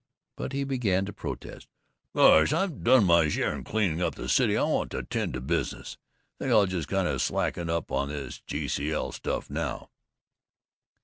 But he began to protest, "Gosh, I've done my share in cleaning up the city. I want to tend to business. Think I'll just kind of slacken up on this G.C.L. stuff now."